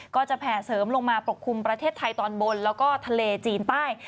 แผ่เสริมลงมาปกคลุมประเทศไทยตอนบนแล้วก็ทะเลจีนใต้